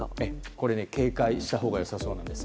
これ、警戒したほうが良さそうなんです。